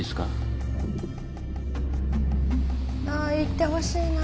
あ行ってほしいな。